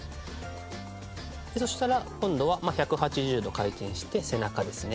そしたら今度は１８０度回転して背中ですね。